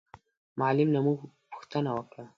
معلم له موږ پوښتنه وکړه.